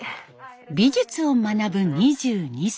美術を学ぶ２２歳。